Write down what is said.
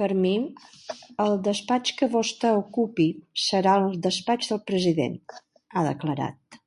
“Per mi el despatx que vostè ocupi serà el despatx del president”, ha declarat.